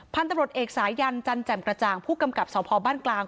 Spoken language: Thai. พันธุ์ตำรวจเอกสายันจันแจ่มกระจ่างผู้กำกับสพบ้านกลาง